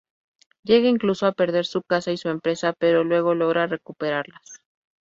Llega incluso a perder su casa y su empresa, pero luego logra recuperarlas.